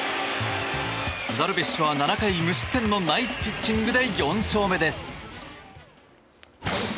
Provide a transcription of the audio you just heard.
ダルビッシュは７回無失点のナイスピッチングで４勝目です。